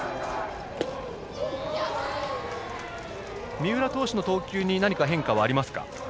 三浦投手の投球に何か変化はありますか？